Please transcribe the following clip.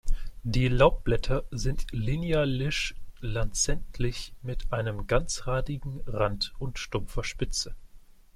Die Laubblätter sind linealisch-lanzettlich mit einem ganzrandigen Rand und stumpfer Spitze.